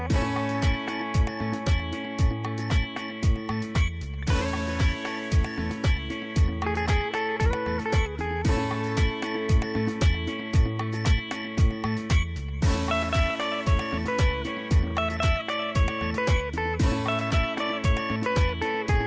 สวัสดีครับ